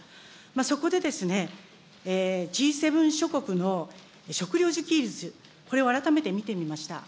そこでですね、Ｇ７諸国の食料自給率、これを改めて見てみました。